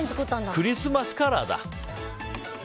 クリスマスカラーだ。